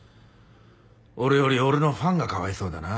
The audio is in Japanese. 俺より俺のファンがかわいそうだな。